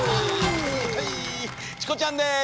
チコちゃんです